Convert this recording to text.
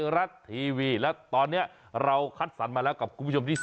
ไม่ใช่แล้วสังเกียรติ